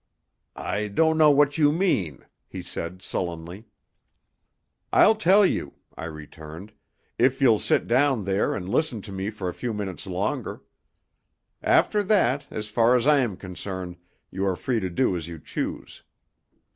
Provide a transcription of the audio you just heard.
"I don't know what you mean," he said, sullenly. "I'll tell you," I returned, "if you'll sit down here and listen to me for a few minutes longer. After that, as far as I am concerned, you are free to do as you choose.